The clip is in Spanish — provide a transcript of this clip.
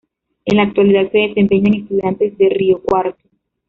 En la actualidad se desempeña en Estudiantes de Río Cuarto.